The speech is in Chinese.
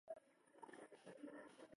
日本播出。